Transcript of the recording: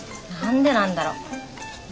何でなんだろう？